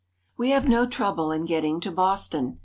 WE have no trouble in getting to Boston.